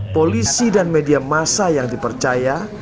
polisi dan media masa yang dipercaya